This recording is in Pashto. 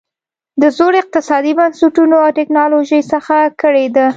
د زړو اقتصادي بنسټونو او ټکنالوژۍ څخه کړېده.